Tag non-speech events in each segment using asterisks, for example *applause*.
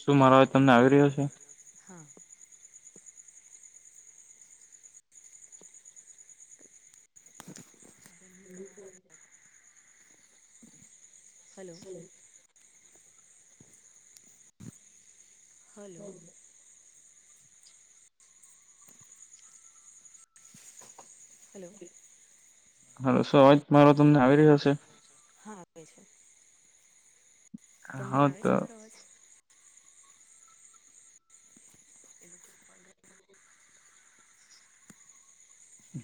શું મારો અવાજ તમને આવી રહ્યો છે હા. એ *unintelligible* હલ્લો. હલ્લો. હલ્લો. હલ્લો શું અવાજ મારો તમને આવી રહ્યો છે? હા સંભળાય છે. તમને હા આવે તો છે મારો અવાજ? એ *inaudible*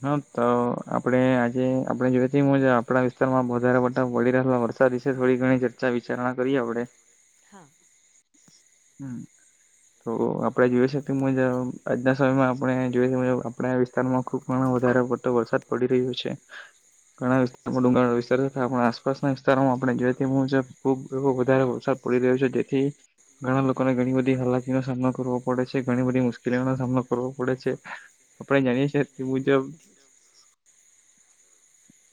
હા તો આપડે આજે આપડી જોઈતી આપણા વિસ્તારમાં વધારે પત્તા વિશે થોડી ઘણી ચર્ચા વિચારણા કરીએ હવે. હા. હમ. તો આપણે જોઈએ છે તે મુજબ આજના સમય માં આપણે જોઈએ તે મુજબ આપણા વિસ્તારમાં ખૂબ વધારે પડતો વરસાદ પડી રહ્યો છે. ઘણા વિસ્તારોમાં ડુંગરો આપણા આસપાસના વિસ્તારોમાં આપણે જોઈએ તે મુજબ. ખૂબ એવો વરસાદ પડી રહ્યો છે જેથી ઘણા લોકોને ઘણી બધી હાલાકીનો સામનો કરવો પડે છે, ઘણી બધી મુશકેલીઓનો સામનો કરવો પડે છે. આપડે જાણીએ છે તે મુજબ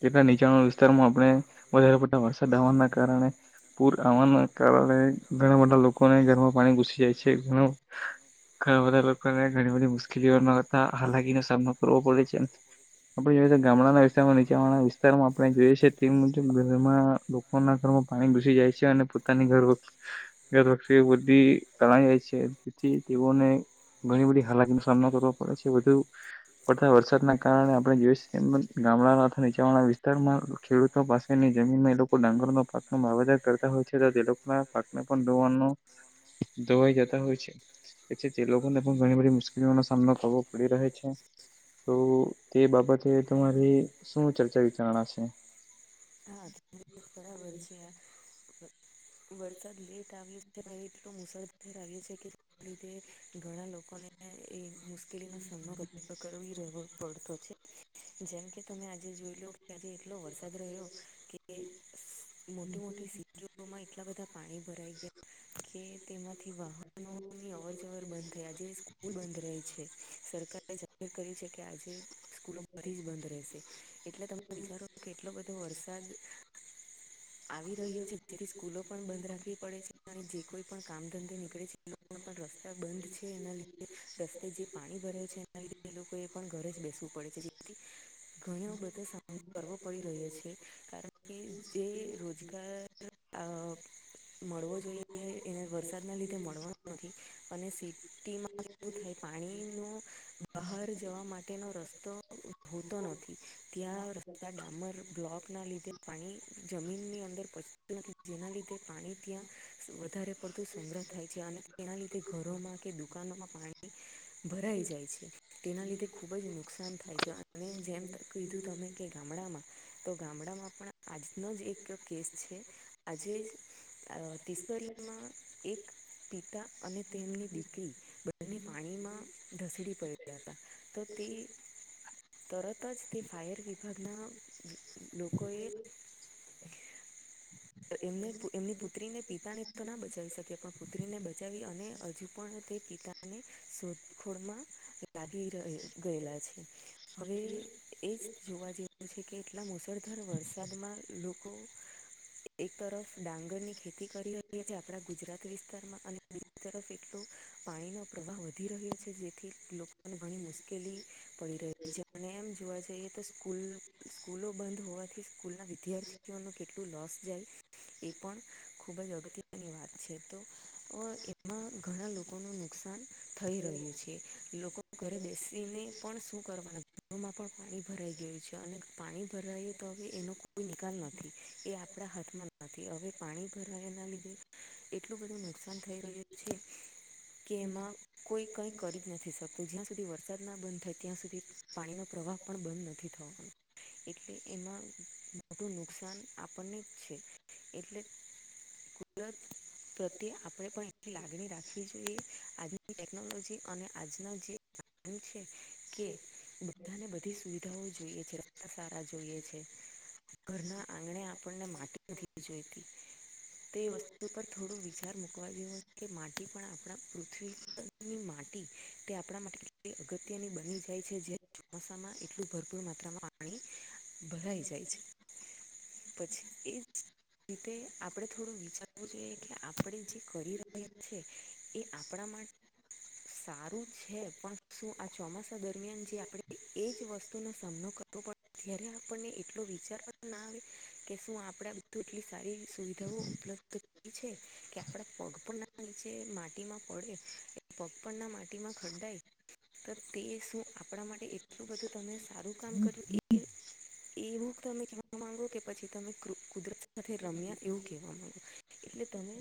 એટલા નીચાણળ વિસ્તારમાં આપડે વધારે પડતા વરસાદ આવવાના કારણે પૂર આવવાના કારણે ઘણા બધા લોકોને ઘરમાં પાણી ઘુસી જાય છે, ઘણા ઘણા બધા લોકોને ઘણી બધી મુશ્કેલીઓ તા હાલાકીનો સામનો કરવો પડે છે. આપડે જેવી રીતે ગામડાના વિસ્તાર માં નીચે નીચાણવાળા વિસ્તારમાં આપણે જોઈએ છએ તે મુજબ ઘરમાં લોકોના ઘરમાં પાણી ઘુસી જાય છે અને *inaudible* તણાય જાય છે તેથી તેઓને ઘણી બધી હાલાકીનો સામનો કરવો પડે છે વધુ પડતા વરસાદના કારણે આપડે જોઈ શકીએ ગામડાના નીચાવાળા વિસ્તારમાં ખેડૂતો પાસેની જમીનમાં એ લોકો ડાંગરનો પાકનો વાવેતર કરતા હોય છે તે લોકો- માં પાકને પણ દોવાનો ધોવાઈ જતા હોય છે. અચ્છા તે લોકોને પણ ઘણી બધી મુશ્કેલીઓનો સામનો કરવો પડી રહે છે. તો તે બાબતે તમારે શું ચર્ચા વિચારણા છે? હા *inaudible* બરાબર છે. વરસાદ લેટ આવ્યો છે એટલો મુશળધાર આવ્યો છે કે લીધે ઘણા લોકોને એ મુશ- પેલી નો ફોન માં કઈ ને કઈ ઈ રહેવોજ પડતો છે, જેમકે તમે આજે જોઈ લો કેથી એટલો વરસાદ રહ્યો કે મોટી મોટી સિટીમાં એટલા બધા પાણી ભરાઈ ગયા કે તેમાંથી વાહનોની અવર જવર બંધ થયા આજ સ્કૂલ બંધ રહે છે સરકારે જાહેર કરી છે કે આજે સ્કૂલો બધી જ બંધ રહેશે એટલે તમે વિચારો કેટલો બધો વરસ આવી રહ્યો છે. જેથી સ્કૂલો પણ બંધ રાખવી પડે છે. અને જે કોઈ પણ કામ ધંધે નીકળે છે, એ પણ રસ્તા બંધ છે. એના લીધે રસ્તે જે પાણી ભરાયું છે, એના લીધે એ લોકો એ પણ ઘરે જ બેસવું પડે છે. જેથી ઘણયો બધો સામનો કરવો પડી રહ્યો છે, કારણ કે જે રોજગાર અ મળવો જોઈએ એને વરસાદના લીધે મળવાનો નથી. અને સિટીમાં શું થાય પાણી નો બહાર જવા માટેનો રસ્તો હોતો નથી. ત્યાં રસ્તા ડામર બ્લોક ના લીધે પાણી જમીન ની અંદર પચતું નથી. જેના લીધે પાણી ત્યાં વધારે પડતું સંગ્રહ થાય છે, અને તેના લીધે ઘરોમાં કે દુકાનોમાં પાણી ભરાઈ જાય છે. તેના લીધે ખુબ જ નુકસાન થાય છે, અને જેમ ત કીધું તમે કે ગામડામાં તો ગામડામાં પણ આજનો જ એક કેસ છે. આજે જ દિસકળી માં એક પિતા અને તેમની દીકરી બંને પાણીમાં ધસડી પડ્યા હતા. તો તે તરત જ તે ફાયર વિભાગના લોકોએ એમને એમની પુત્રી ને પિતા ને તો ના બચાવી શકે તે પણ પુત્રીને બચાવી અને હજુ પણ તે પિતાને શોધખોળમાં લાગી રહ ગયલા છે. હવે એ જ જોવા જઈ છે કે એટલા મુશળધાર વરસાદમાં લોકો એક તરફ ડાંગરની ખેતી કરી રહીયા છીએ આપણા ગુજરાત વિસ્તારમાં અને બીજી તરફ એક તો પાણીનો પ્રવાહ વધી રહ્યો છે. જેથી લોકોને ઘણી મુશ્કેલી પડી રહી છે, અને એમ જોવા જઈએ તો સ્કૂલ સ્કૂલો બંધ હોવાથી સ્કૂલ ના વિદ્યાર્થી નું કેટલું લોસ જાય એ પણ ખૂબ જ અગત્યની વાત છે તો અ કેમાં ઘણા લોકો નુ નુકશાન થઈ રહ્યું છે. લોકો ઘરે બેસીને પણ શું કરવાનું ઘરોમાં પણ પાણી ભરાઈ ગયું છે અને પાણી ભરાઈયું તો ભી હવે એનો કોઈ નિકાલ નથી. તે આપણા હાથમા નથી હવે પાણી ભરાવા એના લીધે એટલું બધું ન નુકસાન થઈ રહ્યું છે, કેમાં કોઈ કઈ કરી જ નથી શકતું સુધી વરસાદ ના બંધ થાય ત્યાં સુધી પાણીનો પ્રવાહ પણ બંધ નથી થવાનો એટલે એમાં મોટું નુકસાન આપણને જ છે એટલે કુદરત પ્રત્યે આપણે પણ એની લાગણી રાખવી જોઈએ. આજની ટેકનોલોજી અને આજના જે એ છે કે બધાને બધી સુવિધાઓ જોઈએ છે. રસ્તા સારા જોઈએ છે. ઘરના આંગણે આપણને માટી નથી જોયતી. તે વસ્તુ પર થોડું વિચાર કવા જેવું કે માટી પણ આપણા પૃથ્વી પરની માટી તે આપણા માટે અગત્યની બની જાય છે જે ચોમાસામાં એટલું ભરપૂર માત્રામાં પાણી ભરાઈ જાય છે, પછી એ રીતે આપણે થોડું વિચારવું જોઈએ કે આપણે જે કરી રહ્યા છીએ એ આપણા માટે સારું છે પણ શું આ ચોમાસા દરમિયાન જે આપડે એજ વસ્તુનો સામનો કરવો પડ ત્યારે આપણને એટલો વિચારવામાં ના આવે કે શું આપડે તો એટલી સારી સુવિધાઓ ઉપલબ્ધ થ છે. કે આપડે પગ પણ ના છે માટીમાં પડે પગપરના માટીમાં ખરડાય તો તે શું આપડા માટે એ આટલું બધું તમે સારું કામ કર્યું એ એવું તમે કહવા માંગો કે પછી તમે કુદરત સાથે રમ્યા એવું કહેવા માંગો. એટલે તમે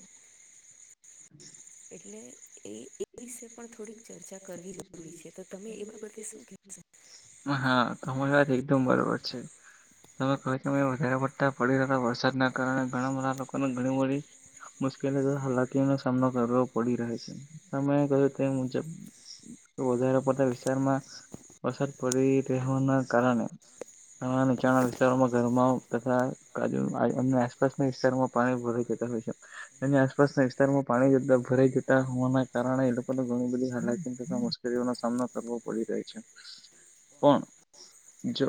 એટલે એ એ વિશે પણ થોડીક ચર્ચા કરવી જરૂરી છે તો તમે એ બાબતે શું કહેશો? હા, તમારી વાત એકદમ બરોબર છે. તમે કહો છો કે વધારે પડતા પડે રહેલા વરસાદના કારણે ઘણા બધા લોકોને ઘણી બધી મુશ્કેલી હાલાકી સામનો કરવો પડી રહે છે. તમે કયો તે મુજબ વધારે પડતા વિસ્તારમાં વસાદ પડી રહેવાના કારણે આ નીચાણા વિસ્તારોમાં ઘરમાં તથા આમ આસપાસના વિસ્તારમાં પાણી ભરાઈ જતા હોય છે તેની આસપાસના વિસ્તારમાં પાણી જતા ભરાઈ જતા હોવાના કારણે એ લોક પણ તો ઘણી બધી હાલાકી તથા મુશ્કેલીઓનો સામનો કરવો પડી રહ્યો છે. પણ જો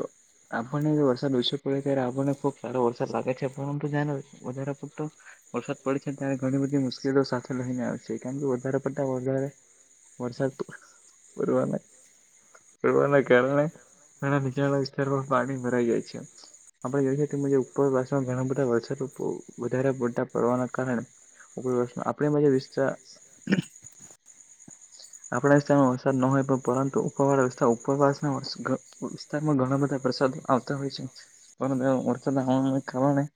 આપણને વરસાદ ઓછો પડે ત્યારે આપણને ખુબ સારો વરસાદ લાગે છે પણ જાને વધારે પૂરતો વરસાદ પડે છે ત્યારે ઘણી બધી મુશ્કેલી સાથે લઈને આવે છે કારણ કે વધારે પડતા વધારે વરસાદ પડવાના પડવાના કારણે ઘણા નીચાવાળા વિસ્તારમાં પાણી ભરાઈ જાય છે. આપડે જોઈ શકીએ ઉપરવાસામાં ઘણા બધા વરસાદ વધારે પૂરતો પડવાના કારણે પ્રયોગ છે આપણે બાય વિષ્ટા *inaudible* આપડા વિસ્તારમાં વરસાદ ન હોય પરંતુ ઉપર વાળા વિસ્તાર ઉપર વાસ ના ઘ તેમાં ઘણા બધા વરસાદ આવતા હોય છે પરંતુ વરસાદ આવવા કારણે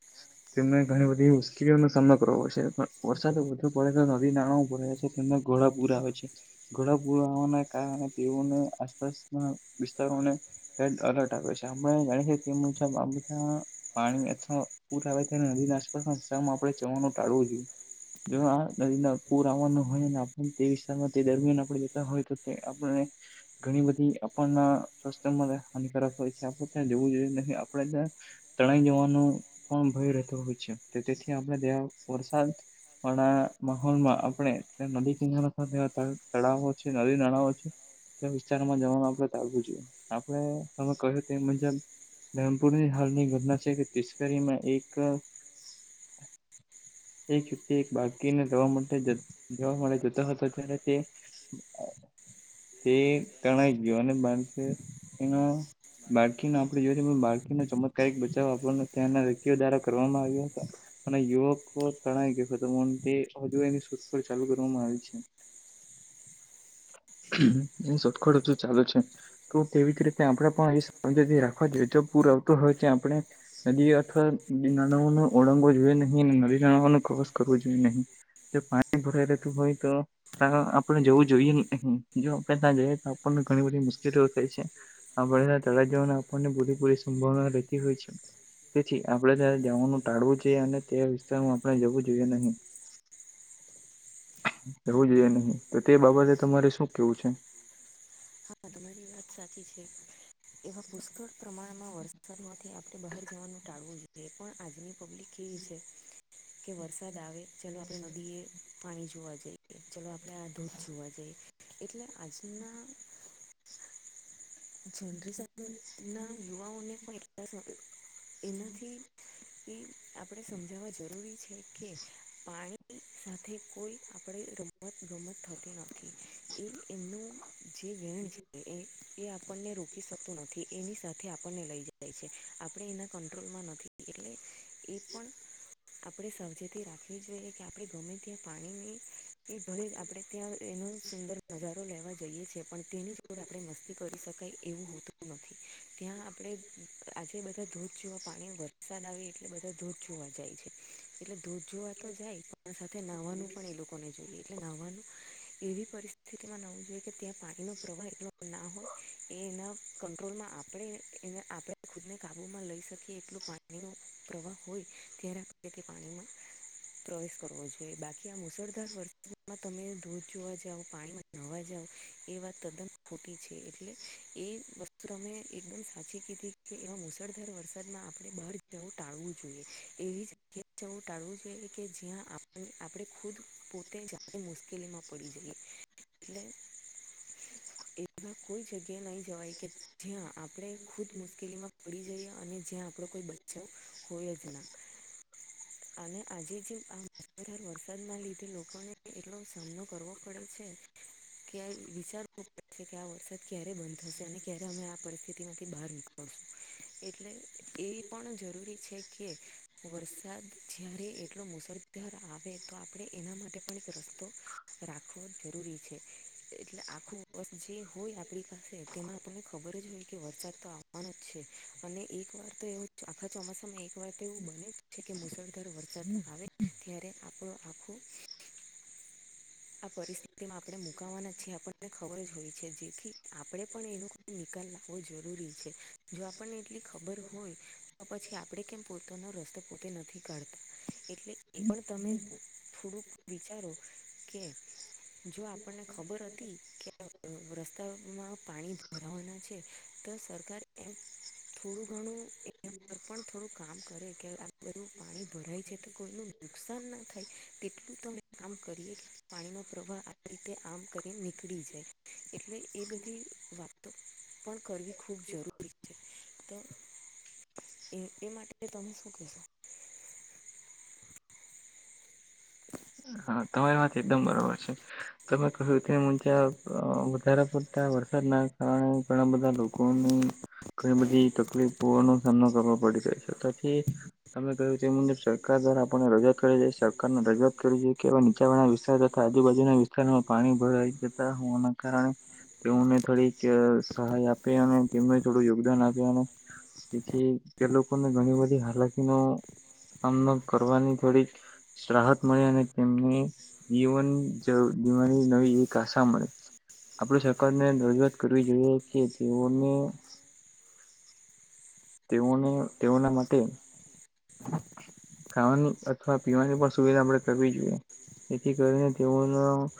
તેમને ઘણી બધી મુશ્કેલીઓ નો સામનો કરવો પડશે પણ વરસાદ વધુ પડે છે નદી નાણાંઓ ભરે છે તેમના ઘોડા પૂરા હોય છે. ઘડા પુરાવાના કારણે તેઓને આસપાસના વિસ્તારોને રેડ અલર્ટ આપે છે. આપડે ગણી તેમના બાબત ના પાણી અથવા પૂર આવે તે નદી ના આસપાસસ્માં આપણે જવાનું ટાળવો જોઈએ. જો આ નદી ના પૂર આવવાનું હોય ને આપ તેવી તે દરમિયાન આપણે જતા હોય તો તે આપણને ઘણી બધી આપણના સ્વાસ્થ્યમાં હાનિકારક હોય છે આપ ત્યાં જવું જોઈએ ન આપડે ત્યા તણાઈ જવાનો પણ ભય રહેતો હોય છે તેથી આપડે ત્યાં વરસાદ વાળા માહોલમાં આપડે ત્યાં નદી કિનારા વા તળાવો છે નદી નાણાઓ છે. ત્યાં વિસ્તારમાં જવાનું આપડે ચાલવું જોઈએ. આપડે તમે કહ્યું તે મુજબ ધરમપુરની હાલની ઘટના છે કે તિસ્કરીમાં એક એક વ્યક્તિ એક બાકીને જવા માટે જોવા મળ જતો હતો તે જ્યારે અત્યારે તે બે આ તે તણાઈ ગયો અને બાછે એનો બાળકીનો આપણેે જોય બાળકીનો ચમત્કારિક બચાવ આપવાનો ત્યાંના વ્યક્યો દ્વારા કરવામાં આવ્યો હતો. અને યુવક તણાય જુ એની સુડ ચાલુ કરવામાં આવી છે. એની સોતખોડ હજુ ચાલુ છે તો તેવી જ રીતે આપણે પણ એ સ્વચતી રાખવા જોયે જો પૂર આવતો હોય છે આપણે નદી અથવા નદી નાળાઓ ને ઓળંગવો જોઈએ નહી અને નદી નાળઓ ને ક્રોસ કરવો જોઈએ નહી જો પાણી ભરાઈ રહેેતું હોય તો તા આપડે જવું જોઈએ ની જો આપે ત્યાં જઈએ તો આપણને ઘણી બધી મુશ્કેલીઓ થઈ છે આપણે તલાઈ જવાને આપણને પૂરી પૂરી સંભાવના રહેતી હોય છે તેથી આપણેે ત્યાં જવાનું ટાળવું જોઈએ અને તે વિસ્તારમાં આપણે જવું જોઈએ નહી *inaudible* એવું હા જોઈએ નહી તો તે બાબતે તમારે શું કેવું છે હા તમારી વાત સાચી છે એવા પુષ્કળ પ્રમાણમાં વ વરસાદ માંથી આપણે બહાર જવાનું ટાળવું જોઈએ પણ આજની પબ્લિક કેવી છે. કે વરસાદ આવે ચાલો આપણે નદીએ પાણી જોવા જઈએ ચલો આપણે આ ધોધ જોવા જઈએ એટલે આજના જનરેશનના યુવાઓને પણ *unintelligible* એનાથી. *inaudible* કે આપણે સમજાવવા જરૂરી છે કે પાણી સાથે કોઈ આપણે રમ રમત ગમત થતી નથી એ એમનું જે વેણ છે એ આપ આપણને રોકી શકતું નથી એની સાથે આપણને લઈ જાય છે આપણે એના કંટ્રોલમાં નથી એટલે એ પણ આપણે સાવચેતી રાખવી જોઈએ કે આપણે ગમે ત્યાં પાણીની એ ભરે આપણે ત્યાં એનો સુંદર નજારો લેવા જઈએ છે પણ તેની જોડ આપણે મસ્તી કરી શકાય એવું હોતું નથી ત્યાં આપણે આજે બધા ધોધ જેવા પાણી વ વરસાદ આવે એટલે બધા ધોધ જોવા જાય છે. એટલે ધોધ જોવા તો જાય પણ સાથે નાહવાનું પણ એ લોકોને જોઈએ. એટલે નાહવાનું એવી પરિસ્થિતિમાં નાવું જોઈએ કે ત્યાં પાણીનો પ્રવાહ એટલો ના હોય. એ એના કંટ્રોલમાં આપણે એને આપ ખુદને કાબુમાં લઈ શકીએ એટલું પાણી પાણીનો પ્રવાહ હોય ત્યારે આપથી પાણીમાં પ્રવેશ કરવો જોઈએ બાકી આ મુશળધાર વર્ષમાં તમે ધોધ જોવા જાવ પાણીમા નાવા જાવ એ વાત તદ્દન ખોટી છે એ એટલે એ વસ્ત તમે એકદમ સાચી કીધી કે એવા મુશળધાર વરસાદમાં આપણે બહાર વ ટાળવું જોઈએ એવી જગ્યાવ ટાળવું જોઈએ કે જ્યાં આપણે ખુદ પોતે જાતે મુશ્કેલીમાં પડી જઈ એટલે એ કોઈ જગ્યા નહી જવાય કે જ્યાં આપણે ખુદ મુશ્કેલીમાં પડી જઈએ અને જ્યાં આપણો કોઈ બચાવ હોય જ ના. અને આજે જે આ મુશળધાર વરસાદના લીધે લોકોને એટલો સામનો કરવો પડે છે. કે વિચારવું પડશે કે આ વરસાદ ક્યારે બંધ થશે અને ક્યારે અમે આ પરિસ્થિતિમાંથી બહાર નીકળશું એટલે એ પણ જરૂરી છે કે વરસાદ જારે એટલો મુશસધાર આવે તો આપણે એના માટે પણ એક રસ્તો રાખવો જ જરૂરી છે એટલે આખું વ જે હોય. આપરી પાસે તેમાં આપણે ખબર જ હોય કે વરસાદ તો આવવાનો જ છે અને એક વાર તો એવું આખા ચોમાસામાં એક વાર તો એવું બને જ છે કે મુશળધાર વરસાદ આવે ત્યારે આપણો આખું આ પરિસ્થિતિમાં આપણે મુકાવાના છીએ આપણને ખબર જ હોય છે જેથી આપણે પણ એનો નિકાલ લાવવો જરૂરી છે. જો આપણને એટલી ખબર હોય તો પછી આપડે કેમ પો તમે રસ્તો પોતે નથી કાઢતા. એટલે એ પણ તમે થોડુંક વિચારો કે જો આપણને ખબર હતી કે રસ્તામાં પાણી ભરાવાના છે તો સરકાર એમ થોડું ઘણું એના પર પણ થોડુંક કામ કરે કે આ બધું પાણી ભરાય છે તો કોઈનું નુકસાન ના થાય તેટલું તમે કામ કરીએ કે પાણીનો પ્રવાહ આવી રીતે આમ કરી નીકળી જાય એટલે એ બધી વાત તો પણ કરવી ખૂબ જરૂરી છે. તો એ એ માટે તમે શું કહેશો? હા, તમારી વાત એકદમ બરોબર છે. તમે કીધું તે મુજબ વધારે પડતા વરસાદના કારણે ઘણા બધા લોકોનું ઘઈ બધી તકલીફોનો સામનો કરવો પડે છે. તેથી તમે કહ્યું તે મુજબ સરકાર દ્વારા આપણને રજૂઆત કરે છે. સરકારને રજૂઆત કરવી જોઈએ કે આવા નીચાણવાળા વિસ્તાર તથા આજુબાજુના વિસ્તારોમાં પાણી ભરાઈ જતા હોવાના કારણે તેઓને થોડીક સહાય આપે અને તેમને થોડું યોગદાન આપે અને પછી એ લોકોને ઘણી બધી હાલાકીનો સામનો કરવાની થોડીક રાહત મળે અને તેમની જીવન જરૂ જીવાની નવી એક આશા મળે. આપડે સરકારને રજૂઆત કરવી જોઈએ કે તેઓને તેઓને તેઓના મતે ખાવાની અથવા પીવાની પણ સુવિધા આપડે કરવી જોઈએ જેથી કરીને તેઓનો